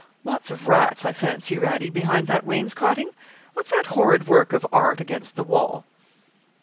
Lots of rats, I fancy, Radie, behind that wainscoting? What's that horrid work of art against the wall?'